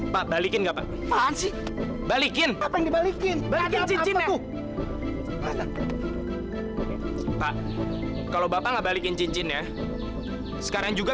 pak balikin apaan sih balikin balikin cincinnya kalau bapak nggak balikin cincinnya sekarang juga